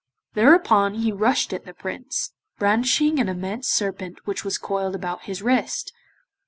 Thereupon he rushed at the Prince, brandishing an immense serpent which was coiled about his wrist.